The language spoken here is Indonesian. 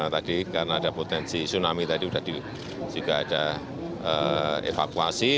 tadi karena ada potensi tsunami tadi sudah juga ada evakuasi